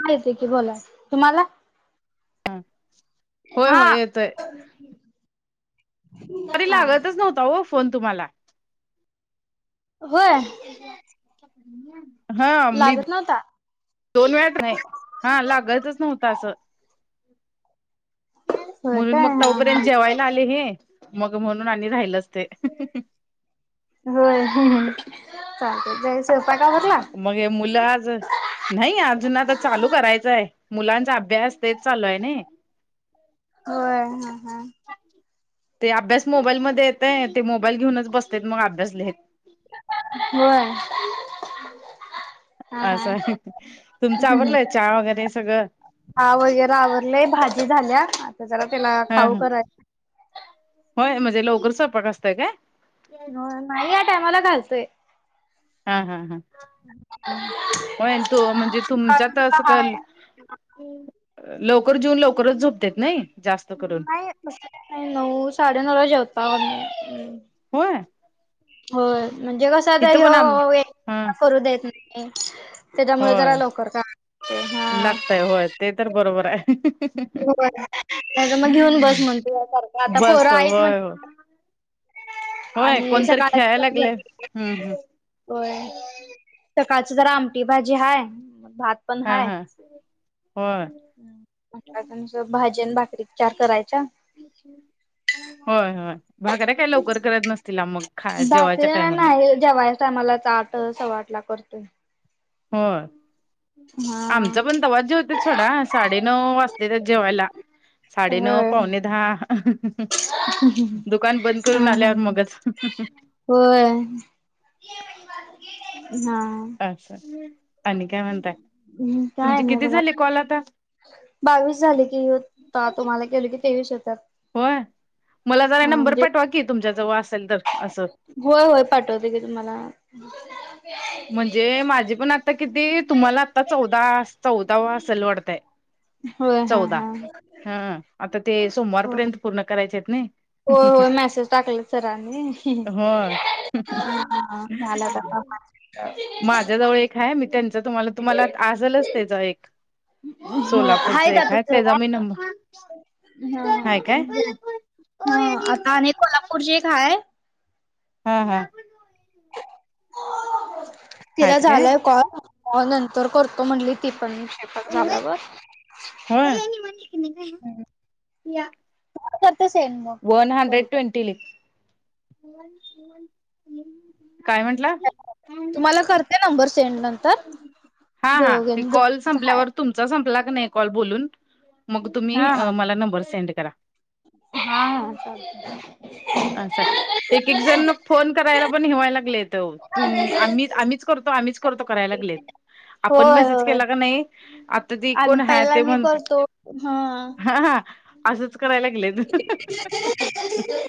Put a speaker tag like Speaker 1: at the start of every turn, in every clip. Speaker 1: का येत की बोला तुम्हाला
Speaker 2: होय
Speaker 1: हा
Speaker 2: होय येतोय तरी
Speaker 1: हा
Speaker 2: लागतच नव्हता हो फोन तुम्हाला
Speaker 1: होय
Speaker 2: हा म्म
Speaker 1: लागत नव्हता
Speaker 2: दोन वेळात नाही हा लागायचच नव्हतं असं
Speaker 1: होय
Speaker 2: म्हणून
Speaker 1: काय
Speaker 2: मग
Speaker 1: हा हा
Speaker 2: तोपर्यंत जेवायला आले हे मग म्हणून आणि राहिलंच ते
Speaker 1: होय चालत सोफा का भरला
Speaker 2: मग मुलं आज नाही अजून आता चालू करायचंय मुलांचा अभ्यास तेच चालू आहे ना
Speaker 1: होय हंहं
Speaker 2: ते अभ्यास मोबाईलमध्येध्ये येतय ते मोबाईल घेऊनच बसते मग अभ्यास लिहेत
Speaker 1: होय हा हा
Speaker 2: असं तुमचं आवडलंय चहा वगैरे सगळं
Speaker 1: हा वगैरे आवरलेय भाजी झाल्या आता जला त्याला खाऊ
Speaker 2: ह
Speaker 1: कराय
Speaker 2: होय म्हणजे लवकरचपाक असतय काय
Speaker 1: हो नाही या टायमाला घालतोय
Speaker 2: हा हा हां हो तो म्हणजे तुमच्यात असं काल लवकर जेऊन लवकरच झोपतेत नाही जास्त करून
Speaker 1: नऊ साडे नऊला जेवता आम्ही.
Speaker 2: होय.
Speaker 1: होय म्हणजे कसं
Speaker 2: इथं पण
Speaker 1: हयो
Speaker 2: आम हा
Speaker 1: एकटा करू देत नाही. त्याच्यामुळे जरा
Speaker 2: होय
Speaker 1: लवकर का हा
Speaker 2: लागतय होय ते तर बरोबर आहे
Speaker 1: मग घेऊन बस म्हणते. आता
Speaker 2: बस
Speaker 1: पोरं आहेत म्हट
Speaker 2: होय होय होय कोणतरी खेळाय
Speaker 1: पण
Speaker 2: लागलंय हम्म हम्.
Speaker 1: होय सकाळची जरा आमटी भाजी हाय भात
Speaker 2: हा हा होय.
Speaker 1: तुमच भाजन भाकरी चार करायचा.
Speaker 2: हम्छम होय होय भाकऱ्या काय लवकर करत नसतील मग खा
Speaker 1: भाकरी
Speaker 2: जेवयच्या टायमाला.
Speaker 1: नाही जेवायच्या टायमाला ताट सव्वा आठ ला करतोय.
Speaker 2: होय.
Speaker 1: हा
Speaker 2: आमचा पण तवा जेवते सोडा साडेनऊ वाजते त्यात जेवायला. साडेनऊ
Speaker 1: होय
Speaker 2: पावणे दहा दुकान बंद
Speaker 1: हा
Speaker 2: करून
Speaker 1: हा
Speaker 2: आल्यावर मगच
Speaker 1: होय हा
Speaker 2: अच्छा.
Speaker 1: हम् काय नाही बघा.
Speaker 2: झाले कॉल आता
Speaker 1: बावीस झाले की होता तुम्हाला केलं की तेवीस होेत्यात.
Speaker 2: होय मला जरा नंबर पाठवा की तुमच्या जवळ असेल तर असं
Speaker 1: होय होय पाठवते की तुम्हाला.
Speaker 2: म्हणजे माझे पण आता किती तुम्हाला आता चौदा चौदावा असेल वाटतय.
Speaker 1: होय हा
Speaker 2: चौदा
Speaker 1: हा
Speaker 2: हम आता ते सोमवार पर्यंत पूर्ण करायचे आहेत नाही.
Speaker 1: हो हो मेसेज टाकले सरांनी
Speaker 2: हो
Speaker 1: ह झालं तर.
Speaker 2: माझ्याजवळ एक आहे मी त्यांच तुम्हाला तुम्हाला आजलच त्याचा एक सोलापूरच
Speaker 1: आहेत
Speaker 2: एक
Speaker 1: आता
Speaker 2: आहे त्याचा
Speaker 1: सोडा.
Speaker 2: मी नंबर
Speaker 1: हा
Speaker 2: हाय काय
Speaker 1: म्हणजे हा आता आणि कोल्हापूरची एक हाय.
Speaker 2: हम हम.
Speaker 1: तिला
Speaker 2: आहेत काय
Speaker 1: झालंय कॉल नंतर करतो म्हणली ती पण पण झाल्यावर.
Speaker 2: होय. या.
Speaker 1: करते सेंड मग
Speaker 2: वन हंड्रेड ट्वेंटी ली. काय म्हंटलं.
Speaker 1: तुम्हाला करते नंबर सेंड नंतर
Speaker 2: हा हा हे कॉल
Speaker 1: जोयोगेंद्रचा हाय
Speaker 2: संपल्यावर. तुमचा संपला क नाही कॉल बोलून मग
Speaker 1: हा
Speaker 2: तुम्ही
Speaker 1: हा
Speaker 2: मला नंबर सेंड करा
Speaker 1: हा हा चालत चालत
Speaker 2: असं एक एक जण फोन करायला पण हिवायला लागलेेत तुम आम्हीच आम्हीच करतो आम्हीच करतो करायला लागलेत. आपण
Speaker 1: होय
Speaker 2: मेसेज
Speaker 1: होय
Speaker 2: केला का नाही आता ती
Speaker 1: आम्ही
Speaker 2: कोण ह
Speaker 1: पहिला
Speaker 2: ते
Speaker 1: मी
Speaker 2: म्हणत
Speaker 1: करतो. हा
Speaker 2: हा हा असंच करायला लागलेत.
Speaker 1: ब [unintelligible]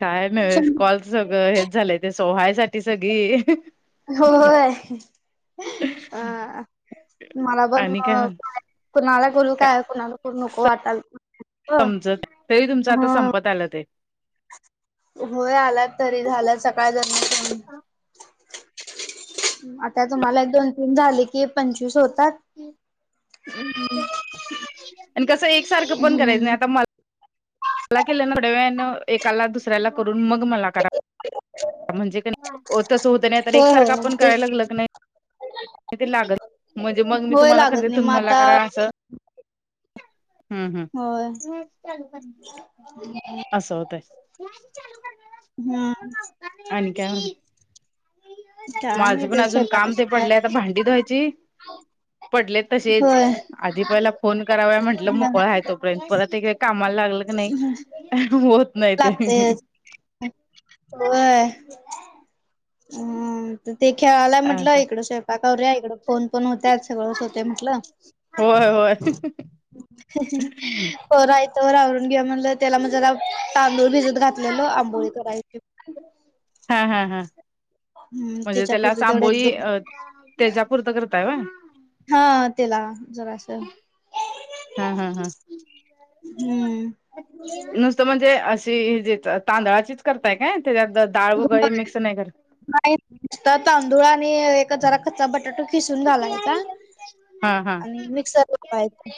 Speaker 2: काय नव्हेच कॉलच सगळ हेच झालंय ते सोहायसाठी सगळी
Speaker 1: होय अ मला पण
Speaker 2: आणि काय
Speaker 1: कुणाला बोलू
Speaker 2: का
Speaker 1: काय कुणाला नको वाटाल
Speaker 2: समजत तेही तुमच आता
Speaker 1: ह
Speaker 2: संपत आलं ते
Speaker 1: होय आलात तरी झाला सकाळ जन्म आता तुम्हाला एक दोन तीन झाले की पंचवीस होतात
Speaker 2: आणि कसं एकसारखं पण करायचं
Speaker 1: हम्म.
Speaker 2: नाही आता मला मला केलं ना थोड्या वेळने एकाला दुसऱ्याला करून मग मला करा म्हणजे कातसं होतं नाही तर एकसारखं आपण करायला लाग नाही
Speaker 1: हो
Speaker 2: ते लागत म्हणजे मग मी तुम्हाला कर
Speaker 1: नाही
Speaker 2: तुमही
Speaker 1: मग
Speaker 2: मला
Speaker 1: आता
Speaker 2: करा असं हम्म
Speaker 1: होय.
Speaker 2: हम् असं होतय मू कर
Speaker 1: हम्म
Speaker 2: आणिन का
Speaker 1: काय नाही
Speaker 2: माझं पण
Speaker 1: ते
Speaker 2: अजून काम
Speaker 1: स्वयंपाकाची
Speaker 2: ते पडलं आता
Speaker 1: तयारी
Speaker 2: भांडी धुवायची पडले तसेच
Speaker 1: होय.
Speaker 2: आधी पहिला फोन कराव म्हंटलं मोकळा आहे तोपर्यंत परत एक व्यक् कामाला लागल क नाही होत नाही ते
Speaker 1: हो हम् ते खेळाला म्हटलं
Speaker 2: असं
Speaker 1: इकडं स्वयंपाकावर्या इकडं फोन पण होत्यात सगळंच होते म्हटलं
Speaker 2: होय होय
Speaker 1: करायचं रावरून घे म्हणलं त्याला मणजला तांदूळ भिजत घातलेलं आंबोळी करायची
Speaker 2: हा हा हा
Speaker 1: हम्म
Speaker 2: म्हणजे
Speaker 1: त्याच्यापुरती तेवढं एक
Speaker 2: त्यालांबोळी
Speaker 1: दोन
Speaker 2: अ तेच्यापुरतं करताय व
Speaker 1: हा तेला जरा असेल
Speaker 2: हा हा हा
Speaker 1: हम्म.
Speaker 2: नुसतं म्हणजे अशी जेतात तांदळाचीच करताय काय त्याच्यात डाळ वगळी मिक्स नाही करत
Speaker 1: नाही तांदूळ आणि एक जरा कच्चा बटाटो किसून घालायचा
Speaker 2: हा हा.
Speaker 1: आणि मिक्सर लावायचा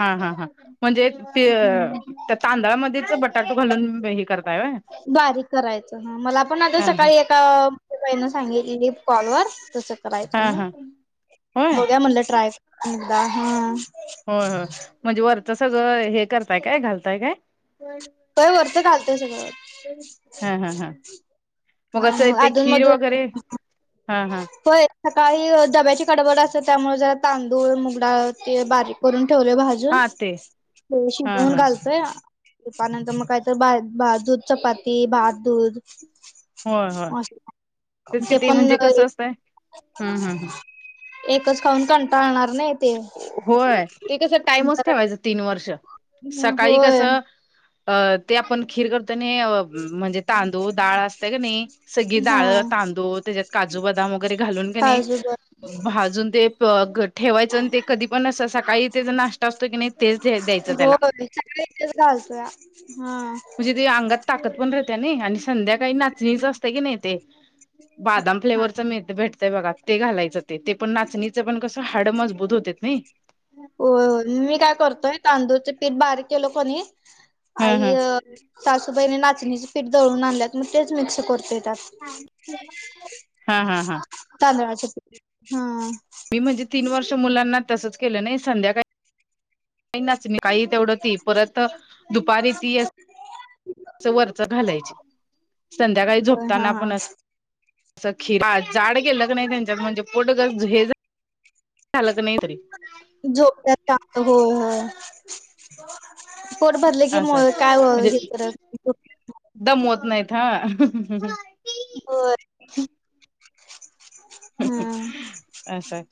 Speaker 2: हा हा हा म्हणजे त्या तांदळामध्येच बटाटो घालून हे करताय
Speaker 1: बारीक कराय मला पण आता
Speaker 2: हा
Speaker 1: सकाळी एकाई सांगितली कॉल वर त य
Speaker 2: हा
Speaker 1: तुम्ही
Speaker 2: हा होय
Speaker 1: बघ्या म्हणलं ट्रायदा हा
Speaker 2: हा हा म्हणजे वरचं सगळं हे करताय काय घालताय काय
Speaker 1: काय वरत घालतय सगळ
Speaker 2: हा हा हा
Speaker 1: ह
Speaker 2: असं
Speaker 1: मग
Speaker 2: ते
Speaker 1: अधून
Speaker 2: खीर
Speaker 1: मधून
Speaker 2: वगैरे हा हा
Speaker 1: हो सकाळी डब्याची कडबड असतते त्यामुळे जरा तांदूळ मुगडा ते बारीक करून ठेवले भाजी अजून ते
Speaker 2: हा
Speaker 1: शिजवून
Speaker 2: हा
Speaker 1: घालतोय पनंतर मग कायत दूध चपाती भात दूध
Speaker 2: होय होय तेच कि
Speaker 1: ते पण
Speaker 2: म्हणजे कसं असतंय हम्म हम्म हम्म.
Speaker 1: एकच खाऊन कंटाळणार नाही ते
Speaker 2: होय ते कस टाइमच ठेवायचं तीन वर्ष सकाळी कस
Speaker 1: होय
Speaker 2: अ ते आपण खीर करताना म्हणजे तांदूळ डाळ असत का नाही सगळी
Speaker 1: हा
Speaker 2: डाळं तांदू त्याच्यात काजू बदाम वगैरे घालून का नाही
Speaker 1: काजू बर
Speaker 2: भाजून ते ठेवा ते कधी पण अस सकाळी ते नाश् असतो की नाही तेच द्यायचं त्याला
Speaker 1: होय सगळी इेच घालतोय हा
Speaker 2: म्हणजे ते अंगात ताकद पण राहत्याने आणि संध्या काही नाचणीच असते की नाही ते बदाम
Speaker 1: हा
Speaker 2: फ्लेवरच भेटतय बघात ते घालायचं ते पण नाचणीचं पण कसं हाड मजबूत होते नाही
Speaker 1: हो मी काय करतोय तांदूळच पीठ बारीक केलं कोणी
Speaker 2: हा
Speaker 1: आई,
Speaker 2: हा
Speaker 1: सासूबाईने नाचणीचे पीठ दळून आणल्यात, मग तेच मिक्स करतोय त्यात
Speaker 2: हा, हा, हा.
Speaker 1: तांदळाचं, हा.
Speaker 2: म्हणजे तीन वर्ष मुलाना तसंच केल नाही, संध्याकाळी [unintelligible] तेवढं ती परत दुपारी ती वरच घालायची, संध्याकाळी
Speaker 1: होय हा
Speaker 2: झोपताना
Speaker 1: हा
Speaker 2: आपण अस खीर, जाड केेलं क नाही त्यांच्यात म्हणजे, पोटगच हे झाल क नाही तरी
Speaker 1: झोपत्यात शांत, हो हो. पोट भरल की,
Speaker 2: असं
Speaker 1: काय
Speaker 2: म्हणजे
Speaker 1: हे करत
Speaker 2: दमवत नाहीत हा.
Speaker 1: होई
Speaker 2: असंय,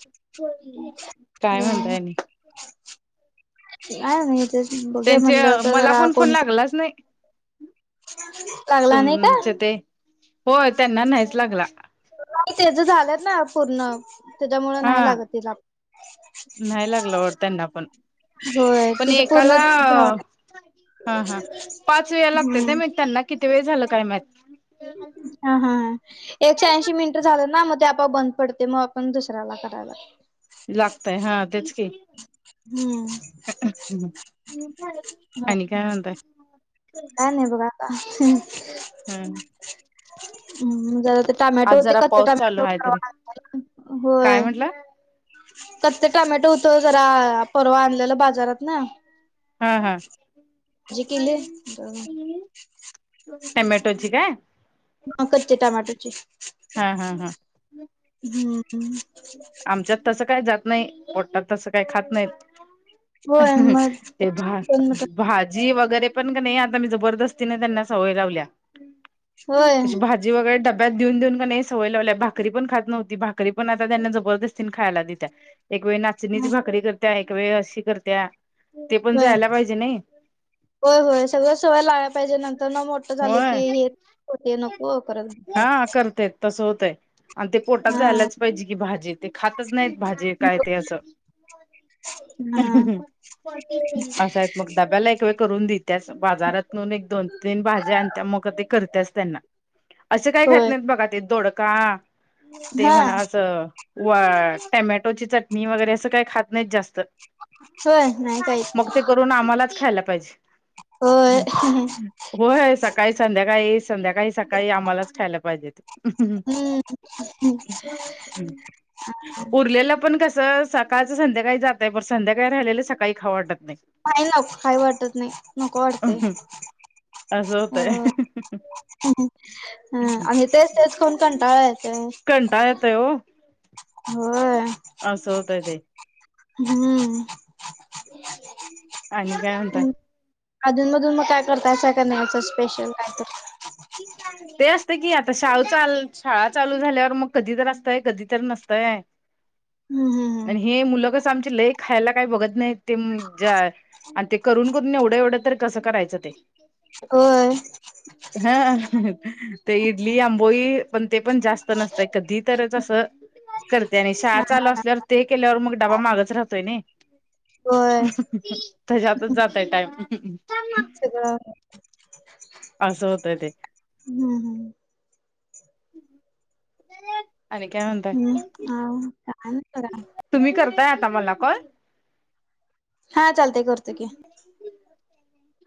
Speaker 2: काय म्हणताय
Speaker 1: [unintelligible] [inaudible]
Speaker 2: त्यांचे
Speaker 1: म्हटलं तर
Speaker 2: मला
Speaker 1: जरा
Speaker 2: पण फोन
Speaker 1: कोण
Speaker 2: लागलाच नाही,
Speaker 1: लागला नाही का
Speaker 2: तुमचे ते होय त्यांना नाहीच लागला
Speaker 1: ते ज झालंत ना पूर्ण, त्याच्यामुळं
Speaker 2: हा
Speaker 1: नाही लागत तिला
Speaker 2: नाही लागलं वाढत तेना पण,
Speaker 1: होय
Speaker 2: पण
Speaker 1: तिचं पूर्ण
Speaker 2: एकाला
Speaker 1: झालं
Speaker 2: हा, हा. पाच वेळा लागतय ते,
Speaker 1: हम्म
Speaker 2: म त्यांना किती वेळ झालं काय माहित
Speaker 1: हा, हा, एकशे ऐंशी मिनिटं झालं ना, मग ते आपोआप बंद पडतय, मग आपण दुसऱ्याला करायला
Speaker 2: लागतय, हा तेच की
Speaker 1: हम्म!
Speaker 2: ह, आणि काय म्हणताय?
Speaker 1: काय नाही बगा आत्ता
Speaker 2: हम्
Speaker 1: जरा ते
Speaker 2: आज
Speaker 1: टमॅटोते
Speaker 2: जरा
Speaker 1: कच्च
Speaker 2: पाऊस चालू
Speaker 1: टमॅटो,
Speaker 2: आहे तरी काय
Speaker 1: होय
Speaker 2: म्हटलं
Speaker 1: कच्च टॉमॅटो होत जरा, परवा आणलेलं बाजारात न
Speaker 2: हा, हा,
Speaker 1: केली
Speaker 2: टमेटोची काय?
Speaker 1: हा कच्चे टमाॅटोची
Speaker 2: हा, हा, हा.
Speaker 1: हम्म, हम्म.
Speaker 2: आमच्यात तसं काय जात नाही, पोटात तसं काय खात नाहीत. [unintelligible]
Speaker 1: होय मग
Speaker 2: ते भात भात भाजी वगरे पण क नई, आत्ता मी जबरदस्ती ने सवय लावल्या
Speaker 1: होय
Speaker 2: भाजी वगरे डब्यात देऊन देऊन क नी सवय लावल्या, भाकरी पण खात न्हती भाकरी पण त्यांना जबरदस्तीने खायला देत्या, एक वेळी नाचणीची भाकरी करत्या, एक वेळ अशी करत्या ते पण
Speaker 1: होय
Speaker 2: जायला पाहिजे नाही.
Speaker 1: होय, होय, सगळं सवय लागाय पाहिजे, नंतर म मोठ झालं
Speaker 2: होय
Speaker 1: की हे हो नको करत बसतात
Speaker 2: हा, करतय, तस होतय आणि ते पोटात
Speaker 1: हा
Speaker 2: झायलाच पाहिजे की, भाजी ते खातच नाहीत भाजी काय ते असं
Speaker 1: हा
Speaker 2: अस मग डब्याला एक वेळ करून दित्याच, बाजारातून एक दोन तीन भाज्या आणि त्याच, मग करून ते त्यांना असे काय खत
Speaker 1: होय
Speaker 2: नाहीत बघा ते, दोडका ते
Speaker 1: हा
Speaker 2: म्हणा असं व, टमॅटोची चटणी वगैरे असं काही खात नाहीत जास्त
Speaker 1: होय नाही काही
Speaker 2: मग ते करून आम्हालाच ख्यायला पाहिजे.
Speaker 1: होय
Speaker 2: होय, सकाळी संध्याकाळी संध्याकाळी सकाळी आम्हाला खायला पाहिजे.
Speaker 1: हम्म
Speaker 2: उरलेला पण कस, सकाळच संध्याकाळी जातय पण, संध्याकाळी राहिलेलं सकाळी खावं वाटत नाही
Speaker 1: काही वाटत नाही नको वाटत न्हाई
Speaker 2: नाही असं होतय
Speaker 1: नको वाटतंय. हम, आणि तेच तेच खाऊन कंटाळाय येतोय.
Speaker 2: कंटाळा येतोय
Speaker 1: होय
Speaker 2: अस होतंय ते
Speaker 1: हम्म
Speaker 2: आणि काय म्हणत
Speaker 1: अधून मधून मग काय करताय कर नाही याच स्पेशल काय तर
Speaker 2: ते असते की आता शाळा चालू शाळा चालू झाल्यावर मग कधी तर असतय कधी तर नसतय
Speaker 1: हम्म हम्म हम्म
Speaker 2: आणि हे मुलगच आमची लय खायला काही बघत नाही ते ज्या आणि ते करून करून एवढं एवढं तर कसं करायचं ते
Speaker 1: होय
Speaker 2: हा ते इडली आंबोई पण ते पण जास्त नसतय कधी तरच असं करते आणि शाळा चालू असल्यावर ते केल्यावर मग डाबा मागच राहतोय नाही
Speaker 1: होय
Speaker 2: त्याच्यातच जातय टाइम
Speaker 1: सगळं
Speaker 2: अस स होतय ते
Speaker 1: हम्म हम्
Speaker 2: आणि काय म्हणत्याय
Speaker 1: हा काान करा
Speaker 2: तुम्ही करताय आता मला कॉल
Speaker 1: हा चालतय करतो की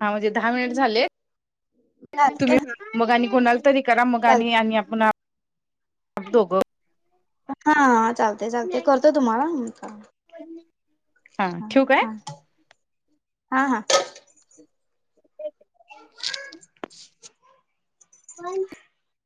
Speaker 2: हा म्हणजे दहा मिनिट झालेत तुम्ही
Speaker 1: चालतय
Speaker 2: मगा आणि कोणाल तरी करा मगा आणि
Speaker 1: चालतय
Speaker 2: आणि आपण दोघं
Speaker 1: हा चालत ते चाल ते करतो तुम्हाला
Speaker 2: हा ठेवू काय
Speaker 1: हा हा
Speaker 2: [inaudible]